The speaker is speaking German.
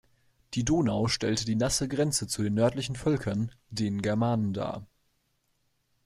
Die Donau stellte die nasse Grenze zu den nördlichen Völkern, den Germanen dar.